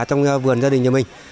trong vườn gia đình nhà mình